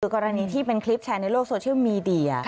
กรณีที่เป็นคลิปแชร์ในโลกโซเชียลมีเดีย